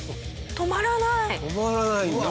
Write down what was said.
止まらないんだ。